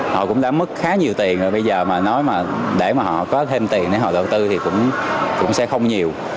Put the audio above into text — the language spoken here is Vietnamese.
họ cũng đã mất khá nhiều tiền rồi bây giờ mà nói mà để mà họ có thêm tiền để họ đầu tư thì cũng sẽ không nhiều